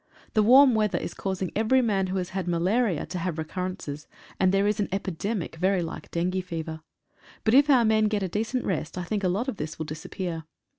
The warm weather is causing every man who has had malaria to have recurrences, and there is an epidemic very like dengue fever. But if our men get a decent rest I think a lot of this will disappear.